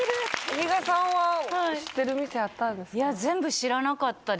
比嘉さんは知ってる店あったんですか？